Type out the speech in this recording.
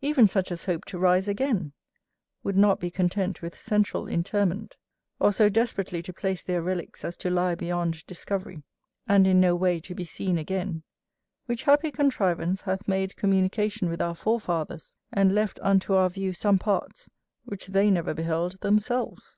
Even such as hope to rise again, would not be content with central interment, or so desperately to place their relicks as to lie beyond discovery; and in no way to be seen again; which happy contrivance hath made communication with our forefathers, and left unto our view some parts, which they never beheld themselves.